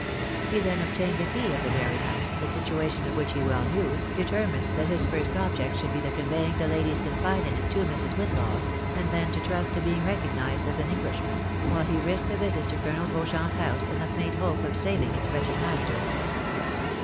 He then obtained the key of the dairy house, the situation of which he well knew, determined that his first object THE BAEXABYS IN AMEKICA. should be the conveying the ladies confined in it to Mrs. Whitlaw's, and then to trust to being recognised as an Englishman, while he risked a visit to Colonel Beauchamp's house in the faint hope of saving its vs^retched master.